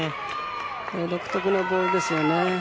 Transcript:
独特のボールですね。